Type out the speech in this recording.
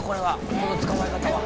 この捕まえ方は。